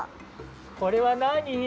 これはなに？